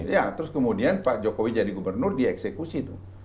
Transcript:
ya terus kemudian pak jokowi jadi gubernur dia eksekusi tuh